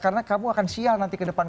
karena kamu akan sial nanti ke depan